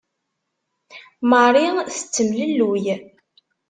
Marie tettemlelluy.